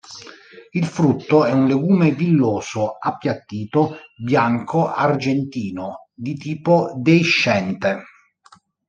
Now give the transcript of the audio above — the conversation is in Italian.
Il frutto è un legume villoso, appiattito, bianco-argentino, di tipo deiscente.